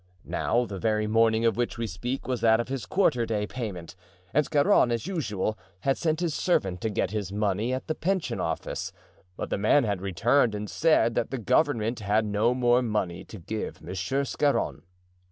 Now, the very morning of which we speak was that of his quarter day payment, and Scarron, as usual, had sent his servant to get his money at the pension office, but the man had returned and said that the government had no more money to give Monsieur Scarron.